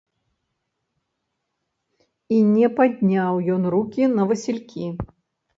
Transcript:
І не падняў ён рукі на васількі.